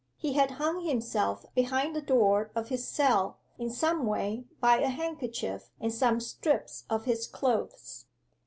He had hung himself behind the door of his cell, in some way, by a handkerchief and some strips of his clothes.